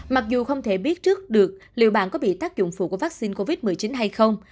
mặc dù không thể biết trước được liệu bạn có bị tác dụng phụ của vaccine covid một mươi chín hay không